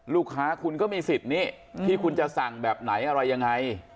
ลูกค้าคุณก็มีสิทธิ์นี้ที่คุณจะสั่งแบบไหนอะไรยังไง